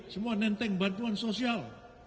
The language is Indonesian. semua nenteng bantuan sosial